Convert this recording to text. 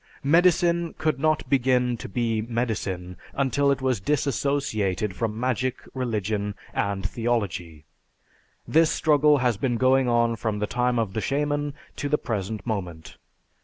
Medicine could not begin to be medicine until it was disassociated from magic, religion, and theology. This struggle has been going on from the time of the "shaman" to the present moment.